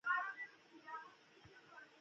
اللهﷻ ستایل سوی ذات دی.